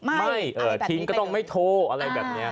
ไม่ทิ้งก็ต้องไม่โทรอะไรแบบนี้